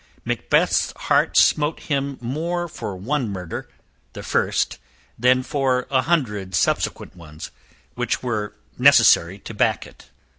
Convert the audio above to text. Macbeth's heart smote him more for one murder, the first, than for a hundred subsequent ones, which were necessary to back it.